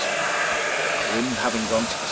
The wind having gone to the S.